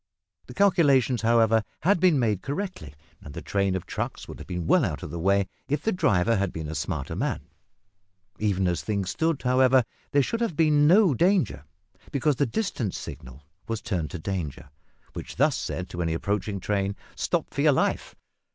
The calculations, however, had been made correctly, and the train of trucks would have been well out of the way, if the driver had been a smarter man. Even as things stood, however, there should have been no danger, because the distant signal was turned to danger, which thus said to any approaching train, "Stop! for your life."